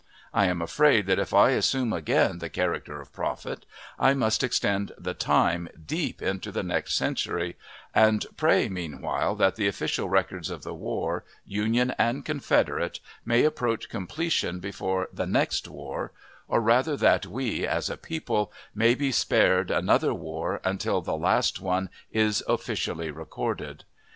I am afraid that if I assume again the character of prophet, I must extend the time deep into the next century, and pray meanwhile that the official records of the war, Union and Confederate, may approach completion before the "next war," or rather that we, as a people, may be spared another war until the last one is officially recorded.